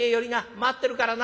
待ってるからな」。